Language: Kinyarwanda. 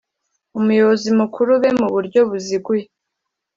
umuyobozi mukuru be, mu buryo buziguye